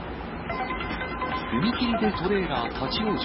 踏切でトレーラー立往生。